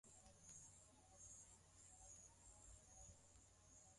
wachia ngazi na tayari mtu mmoja amekwisha fariki dunia